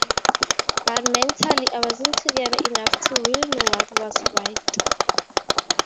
But mentally I wasn't together enough to really know what was right.